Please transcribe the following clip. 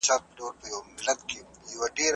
ده د ناپېژانده رڼا د لمس کولو لپاره خپله ګوته غځوله.